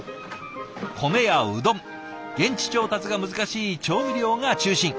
米やうどん現地調達が難しい調味料が中心。